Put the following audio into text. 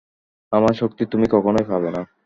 আমার শক্তি তুমি কখনই পাবে না।